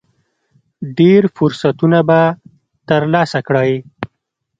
ډېر فرصتونه به ترلاسه کړئ .